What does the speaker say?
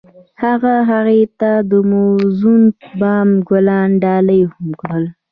هغه هغې ته د موزون بام ګلان ډالۍ هم کړل.